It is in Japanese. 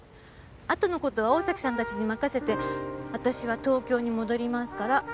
あとの事は大崎さんたちに任せて私は東京に戻りますから。